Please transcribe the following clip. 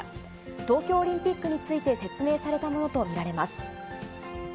東京オリンピックについて説明されたものと見られます。